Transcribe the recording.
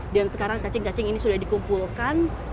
dan sekarang cacing cacing ini sudah dikumpulkan